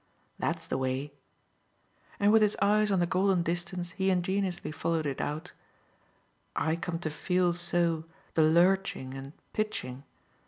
That's the way" and with his eyes on the golden distance he ingeniously followed it out "I come to feel so the lurching and pitching.